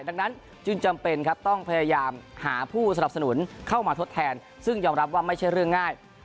ดังนั้นจึงจำเป็นครับต้องพยายามหาผู้สนับสนุนเข้ามาทดแทนซึ่งยอมรับว่าไม่ใช่เรื่องง่าย